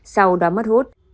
sau đó mất hút